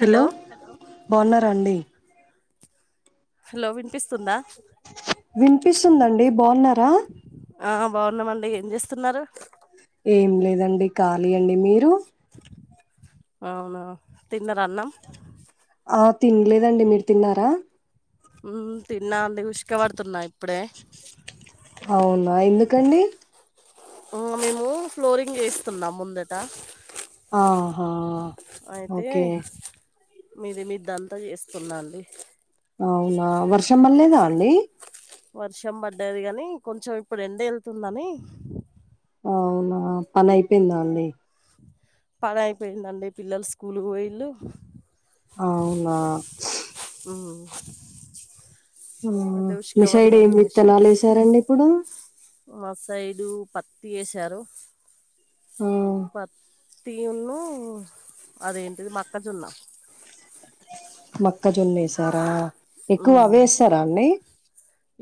Hello బాహున్నారా అండి hello విన్పిస్తుందా విన్పిస్తుందండి బాహున్నారా ఆ బాహున్నామండి ఏం జేస్తున్నారు ఏం లేదండి ఖాలీ అండి మీరు అవునా తిన్నర అన్నం ఆ తిన్లేదండి మీర్ తిన్నారా? ఉం తిన్నాం దిఉస్క వడ్తున్నా ఇప్పుడే అవునా ఎందుకండి ఆ మేము ఫ్లోరింగ్ జేస్తున్నాం ముందట ఆహా అయితే ఓకే మీది మీద్దంతా యేస్తున్నా అండి అవునా వర్షం బళ్లేదా అండి వర్షం బడ్డది గాని కొంచం ఇప్పుడేళ్తుందని అవునా పనైపోయిందా అండి పనైపోయిందండి పిల్లల్ స్కూల్ గ్ పోయిళ్ళు అవునా ఉ ఉం మీ ఉషక సైడ్ పడదాం ఏం అనేసి విత్తనాల్ ఏసారండి ఇప్పుడు మా సైడు పత్తి ఏసారు ఉం పత్తి ఉను అదేంటిది మక్కజొన్న. మక్కజొన్న ఏసారా ఉం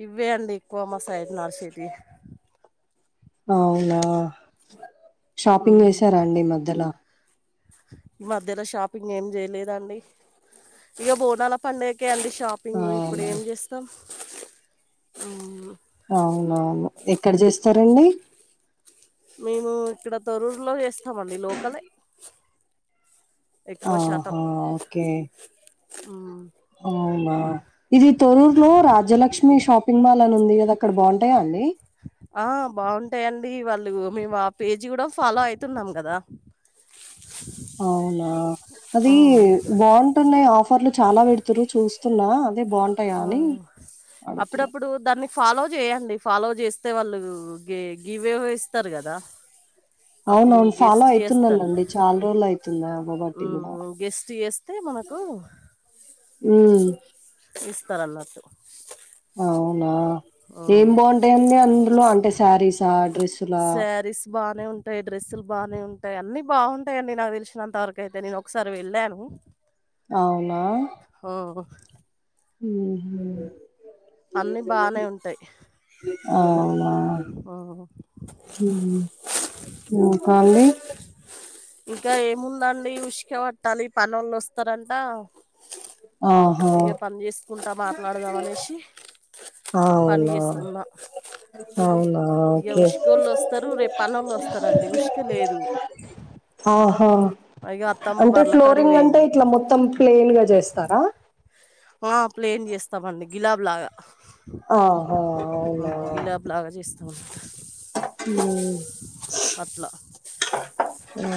ఇవ్వే అండి ఎక్కువ మా సైడ్ నాడ్సేటి అవునా షాపింగ్ హ్మ్ చేసారా అండి ఈ మధ్యలో ఈ మద్దల షాపింగ్ ఏం జేయలేదా అండి ఇగ బోనాల పండగకే అండి షాపింగు అవునా ఇప్పుడేం జేస్తాం అవునవును ఎక్కడ జేస్ మేము ఇక్కడ తొరూరులో యేస్తామండి లోకలే ఎక్వ శాతం ఆహా అవ్నా ఇది తొరూర్ లో రాజ్యలక్ష్మి షాప్ పింగ్ మాల్ అన్ ఉంది గద అక్కడ బాహుంటయా అండి ఆ బాహుంటాయండి వాళ్ళు మేము ఆ పేజీ గూడా ఫాలో అయితున్నాం గదా అవునా అది ఆ, బా ఉంటున్నాయ్ ఆఫర్లు చాలా వెడుతుర్రు చూస్ చిన్నా అదే బా ఉంటాయా అని అడుగుతున్ ఇప్పుడు దాన్ని ఫాలో జేయండి ఫాలో జేస్తే వాళ్ళు గే గివేవో ఇస్తారు గదా అవునవున్ ఫాలో చేస్తారు అయుతున్నానండి చాల్ రోల్ అయుతుందా అవవట్టి గుడా మ్మ్ గెస్ట్ యస్ తేమనకు ఉం ఇస్తరన్నట్టు అవునా ఏం మ్మ్ బా ఉంటాయండి అందులో అంటే సారీసా డ్రెస్సులా శారీస్ బానే ఉంటాయ్ డ్రెస్సుల్ బానే ఉంటాయ్ అన్ని బా ఉంటాయండి నాగ్ దెల్శినంతవరకైతే నేను ఒకసారి వెళ్ళాను. అవునా హ ఉహు అన్నిీ బానే ఉంటాయి అవునా మ్మ్ ఉహు ఉ కానీ ఇంకా ఏముందండి ఉషాక పట్టాలి పనోళ్ళు ఆస్తారంట ఆహా ఇక పని చేసుకుంటా మాట్లాడదాం అనేసి పని అవునా చేస్తున్నా అవునా ఇక ఓకే ఉషాకోళ్ళు ఆస్తారు రేపు పనోళ్ళు ఆస్తారుండి ఉషాక లేదు ఆహా ఇక అత్తమ్మ అంటే బర్ల కాడికి ఫ్లోరింగ్ అంటే పోయింది ఇట్లా మొత్తం ప్లెయిన్ గా జేస్తారా ఆ ప్లేన్ జేస్తామండి గిలాబ్ లాగా ఆహా అవునా గులాబ్ లాగా చేస్తూ ఉంట ఉమ్ అట్లా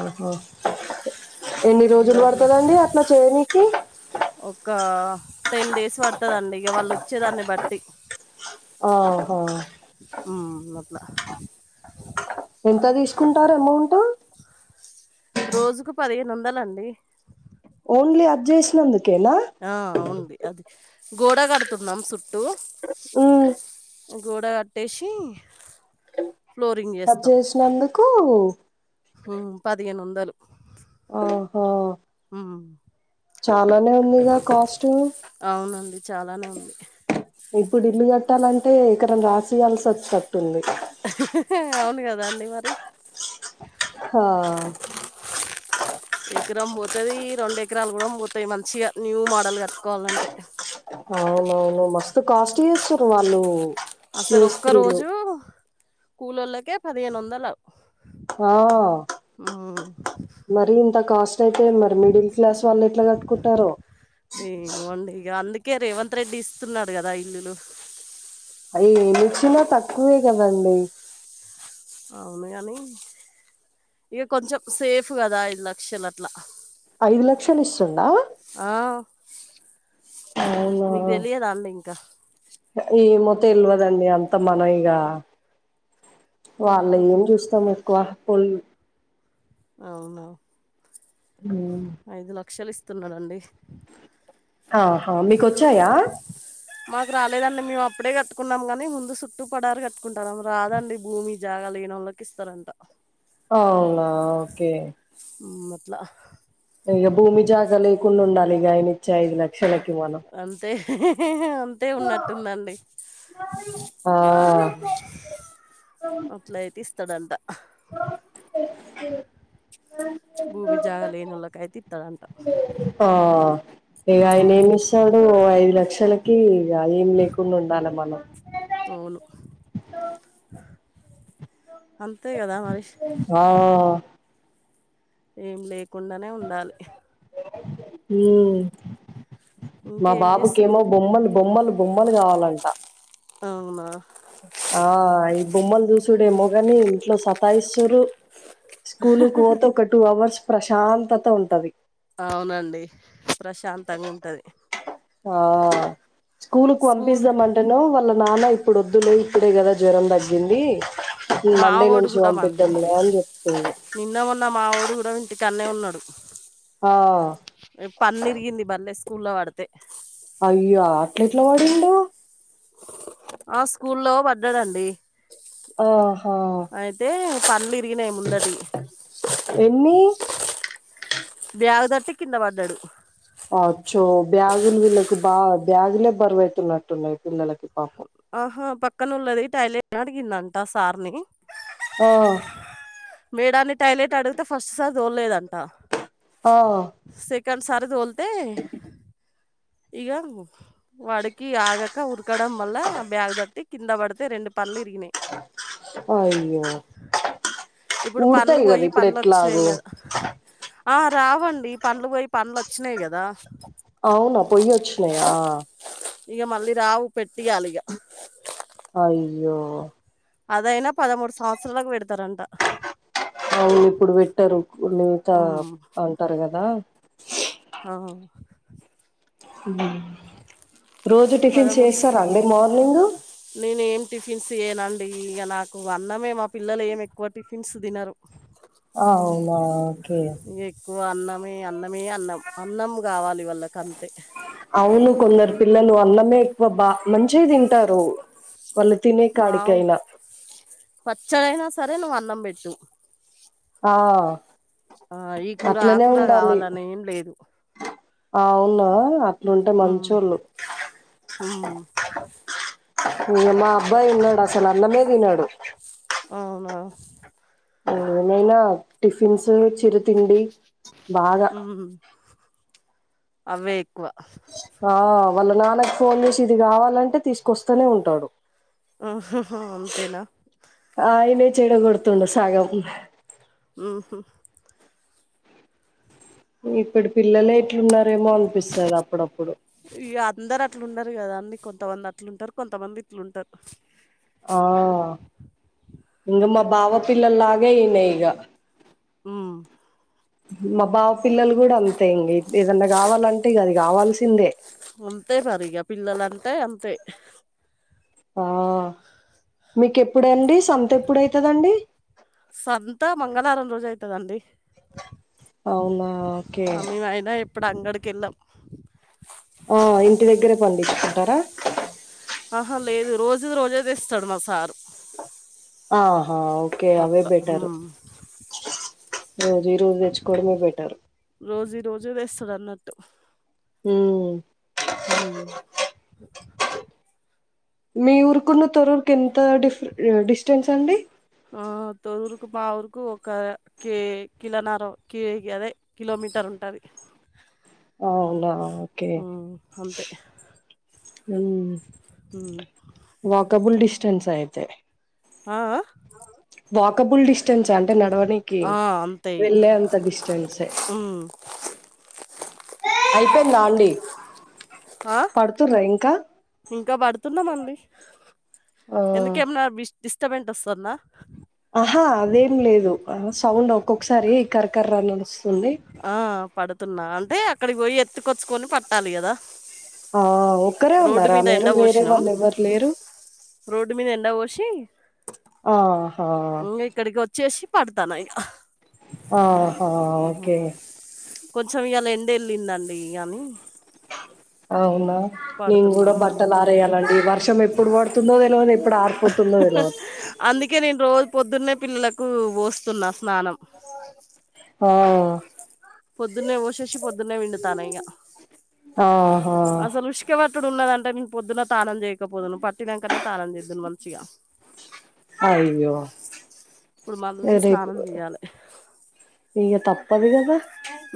ఆహా ఎన్ని రోజులు గులాబ్లా పడతదండి అట్లా చేయనికి ఒక టెన్ డేస్ పడుతదండి ఇక వాళ్ళు వచ్చే దాన్ని బట్టి ఆహా ఉ గట్ల ఎంత తీసుకుంటారు అమౌంట్ రోజుకు పదిహేను వందలండి ఓన్లీ అది చేసినందుకేనా ఆ అవును మేడం గోడ కడుతున్నాం సుట్టూ ఉ గోడ గట్టేసి అది చేసినందుకు ఉ. పదిహేను వందలు ఆహో ఆ చాలానే ఉందిగా కాస్ట్ అవునండి చాలానే ఉంది ఇప్పుడు ఇల్లు గట్టాలంటే ఎకరం రాసియాల్సి ఆచ్చేటట్టుంది అవును కదా అండి మరి హా ఎకరం పోతుది రెండు ఎకరాలు కూడా పోతాయి మంచిగా న్యూ మోడల్ కట్టుకోవాలంటే అవునవును మస్తు కాస్ట్ చేస్తుండ్రు వాళ్ళు అసలు ఒక్క మేస్త్రీలు రోజు కూలోళ్ళకే పదిహేను వందలా ఆ మ్మ్. మరి ఇంత కాస్ట్ అయితే మరి మిడిల్ క్లాస్ వాళ్ళు ఎట్లా కట్టుకుంటారో ఏమోండి ఇక అందుకే రేవంత్ రెడ్డి ఇస్తున్నాడు కదా ఇల్లులు అది ఏమిచ్చినా తక్కువే కదండి అవును గాని ఇక కొంచెం సేఫ్ కదా ఐదు లక్షలు అట్లా ఐదు లక్షలు ఇస్తుండా ఆ అవునా మీకు తెలియదాండి ఇంకా ఏమో తెల్వదండి అంత మన ఇగ వాళ్ళ మ్మ్హ్మ్. ఏం చూస్తాం ఎక్కువ పలు అవును ఉమ్ ఐదు లక్షలు ఇస్తున్నడండి ఆహా మీకొచ్చాయా? మాకు రాలేదండి మేము అప్పుడే కట్టుకున్నాము కనీ, ముందు చుట్టూ పడారు కట్ కుంటారెమో రాదండి భూమి జాగా లేనోళ్ళకి ఇస్తారంట. అవునా ఓకే ఉమ్ అట్ల ఇగ భూమి జాకా లేకుండా ఉండాలి ఇగ ఆయన ఇచ్చే ఐదు లక్షలకి మనం. అంతే అం తే ఉన్నట్టుందండి ఆ అట్ల అయితే ఇస్తడంట ఇ భూమి జాగా లేనోల్లకైతే ఇత్తరంట ఆ ఇగయినేమో తడు ఐదు లక్షలకి ఏం ఇగ లేకుండా ఉండాలె మనం. అవును అంతే కదా మరి ఆ ఏం లేకుండానే ఉండాలి. ఉమ్ మా ఇంకేం చేస్తున్నా బాబుకేమో బొమ్మలు, బొమ్మలు, బొమ్మలు కావాలంట. అమ్మా ఆ ఈ బొమ్మలు చూసుడేమో గాని ఇంట్లో సతాయిస్తురూ స్కూల్ కు పోతే ఒక టూ అవర్స్ ప్రశాంతత ఉంటది. అవునండి ప్రశాంతంగా ఉంటది. ఆ స్కూల్ కు స్కూల్ పంపిస్దం అంటే నేమో, వాళ్ళ నాన్న ఇప్పుడు వద్దులే ఇప్పుడే కదా జ్వరం తగ్గింది మండే మావోడు నుంచి కూడా మండి పంపిద్దాంలే అని చెప్తుంది. నిన్న మొన్న మా వోడు గుడం ఇంటికాన్నే ఉన్నడు. ఆ పన్న విరిగింది బల్లేె స్కూల్లో పడితే అయ్యా అట్ల ఎట్ల పడిండు? ఆ స్కూల్లో పడ్డడండి. ఆహ అయితే పళ్లు తరిగినయి ముందటి ఎన్ని? బ్యాగ్ దర్టి కింద పడ్డడు ఆచొ బ్యాగులు వీళ్ళకి బా బ్యాగులే బరువైతున్నట్టున్నయి పిల్లలకి పాపం. ఆహ పక్కన ఉన్నది టాయిలెట్ అడిగిందంట సార్ని. ఆ మేడన్ని టాయిలెట్ అడుగుతే ఫస్ట్ సారీ దోలలేదంట ఆ సెకండ్ సారి దోల్తే ఇగ వాడికి ఆగ క ఉరకడం వల్ల బ్యాగ్ తట్టి కింద పడితే రెండు పళ్ళు ఇరిగినయి. అయ్యో ఇప్పుడు ఊడతాయి కదా పళ్ళుపోయి ఇప్పుడు పల్లోచ్చినయ్ ఎట్లాగో ఇగ ఆ రావండి పళ్ళు పోయి పళ్ళు వచ్చినయ్ కదా అవునా పొయ్యి వచ్చినయా ఇగ మళ్ళీ రావు పెట్టియాలి ఇగ అయ్యో అదైనా పదమూడు సంవత్సరాలకు పెడతరంట అవును ఇప్పుడు పెట్టరు [unintelligible] హ్మ్. అంటారు కదా అహా రోజు టిఫిన్స్ స్ చేస్తారా అండి మార్నింగ్ నేను ఏం టిఫిన్స్ ఇయనండి ఇగ నాకు అన్నమే మా పిల్లలు ఏం ఎక్కువ టిఫిన్స్ తినరు అవునా ఓకే మీకు అన్నమే అన్నమే అన్నం అన్నం గావాలి వాళ్ళకంతే అవును కొందరు పిల్లలు అన్నమే ఎక్కువ బా మంచి తింటరు మావ్ పచ్చడైనా సరే నువ్వు అన్నం బెట్టు ఆ ఆ ఈ కూర ఆ అట్లనే కూర ఉండాలి కావాలని ఏం లేదు అవునా అట్లుంటే మంచోళ్ళు హ మా అబ్బాయి వున్నాడు అసలు అన్నం ఏ తినడు అవునా నేనైనా టిఫిన్స్ చె హ్మ్ అవే ఎక్కువ ఆ వాళ్ళ నాన్నా కు ఫోన్ చేసి ఇది కావాలంటే తీసుకొస్తనే ఉంటాడు అంతేనా ఆయనే చెడ గొడుతుండు సగం ఉహ ఇప్పటి పిల్లలే ఎట్లున్నారెమోఅనిపిస్తది అప్పుడప్పుడు ఇగ అందరర్ అట్లుండరు కదా అన్నీ కొంతమంది అట్లుంటరు కొంతమంది ఇట్లుంటర్ ఆ ఇంగ మా బావ పిల్లల్లాగే ఇనయ్ హ్మ్ మా బావ పిల్లల్ గూడా అంతే ఇంగ ఏదన్నా కావాలంటే ఇగ అది కావాల్సిందే అంతే మరి ఇగ పిల్లలంటే అంతే ఆ మీకెప్పుడు అండి సంత ఎప్పుడయితదండి సంతా మంగళవారం రోజు అయితదండి అవునా ఓకే మేమయినా ఎప్పుడు అంగడికెళ్ళమ్ ఆ ఇంటి దగ్గరే పండించుకుంటా ఆహా లేదు రోజుది రోజె తెస్తడు మా సార్ ఆహా ఓకే అవె అట్లా బెటరు ఉమ్. రోజువి రోజు తెచ్చుకోవడమే బెట్రు రోజువి రోజే తెస్తడ్ అన్నట్టు హ్మ్ హ ఆ మీ ఊరుకును తొరూరుకి ఎంత డిఫ్ డిస్టెన్స్ అండి ఆ తొరురుకు మా ఊరుకు ఒక కే కిలోన్నారా కే అదే కిలోమీటర్ ఉంటాది [inaudible] అవునా ఓకే అంతే ఉ ఉమ్. వాకబుల్ డిస్టెన్సే అయితే ఆ ఆ వాకబుల్ డిస్టన్సా అన్ అంటే నడవనికి ఆ, అంతే ఇక వెళ్ళే అంత డిస్టెన్సే ఉమ్. అయిపోయిందా అండి ఆ పడుతున్నారా ఇంకా ఇంకా పడుతున్నామండి ఆ ఎందుకేమన్నా బిస్ డిస్టబెంట్ వస్తాన్నా. ఆహా అదేం లేదు ఆ సౌండ్ ఒక్కొక్కసారి కరకర్రా అని వస్తుంది. ఆ పడుతున్నా అంటే అక్కడికి పోయి ఎత్తుకొచ్చుకొని పట్టాలి కదా. ఆ ఒక్కరే రోడ్డు ఉన్నారా మీద మీరు ఎండ వేరే పోసినాం వాళ్ళు ఎవరు లేరు రోడ్డు మీద ఎండ పోసి ఆహా ఉమ్ ఇక్కడికి వచ్చేసి పడతాన్నా ఇగా ఆహా ఓకే కొంచెం ఇవాలా ఎండ వెళ్ళిందండి కానీ అవునా నేను కూడా పడుతున్నాం బట్టలు ఆరేయాలండి వర్షం ఎప్పుడు పడుతుందో తెలవదు ఎప్పుడు ఆర్ అహహ అందుకే నేను రోజు పొద్దున్నే పిల్లలకు పోస్తున్నా స్నానం. హౌ పొద్దున్నే పోసేసి పొద్దున్నే పిండుతన్న ఇగా ఆహా అసలు క్కేపట్టుడు ఉన్నదంటే నేను పొద్దునా తానం చేయకపోదును పట్టినక్కనే తానం చేద్దును మంచిగా. అయ్యో ఇప్పుడు యే మళ్ళీ రేపు స్నానం చేయాలి ఇగా తప్పదు కదా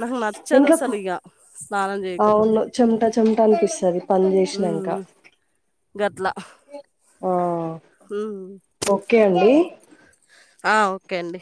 నాకు నచ్చదు ఇంకా పో అసలు ఇక స్నానం చేయకపోతే అవును చెమట చెమట అనిపిస్తాది పని చేసినంకా. ఉమ్, గట్లా ఆ హు ఓకే అండి ఆ ఓకే అండి